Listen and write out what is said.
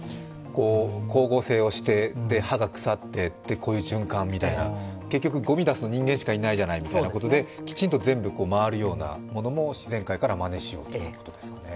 光合成をして葉が腐って循環みたいな、結局、ごみを出すのは人間しかいないじゃないみたいなことできちんと全部回るようなものも自然界からまねしようとなってますね。